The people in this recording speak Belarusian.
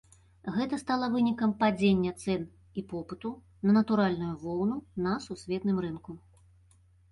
Гэта стала вынікам падзення цэн і попыту на натуральную воўну на сусветным рынку.